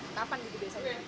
kapan gitu desa